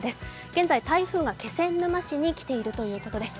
現在、台風が気仙沼市に来ているということです。